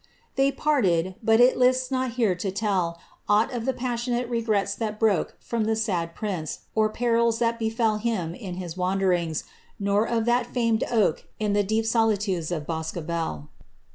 " They pATte<] ; but it liata not here to tell Aught of the passionate regretd that broke From tlie sad prince, or perils that befol Him in his wandering:!U nor of tliat famed oak In the deep solitudes of Boscobel.'